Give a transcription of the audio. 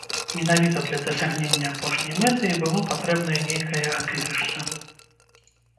Менавіта для дасягнення апошняй мэты і было патрэбна нейкае апірышча.